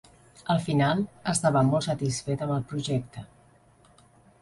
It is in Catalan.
Al final, estava molt satisfet amb el projecte.